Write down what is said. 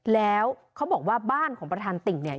แล้วเขาบอกว่าบ้านของประธานติ่งเนี่ย